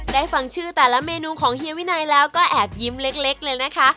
ฟังชื่อแต่ละเมนูของเฮียวินัยแล้วก็แอบยิ้มเล็กเลยนะคะ